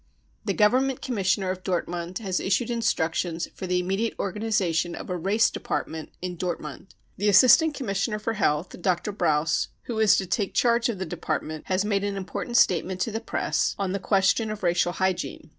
The Government Commis sioner of Dortmund has issued instructions for the immediate organisation of a Race Department in Dort mund. The Assistant Commissioner for Health, Dr. Brauss, who is to take charge of the department, has * made an important statement to the press on the question of racial hygiene.